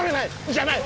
じゃない！